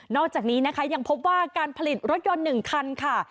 อกจากนี้นะคะยังพบว่าการผลิตรถยนต์๑คันค่ะ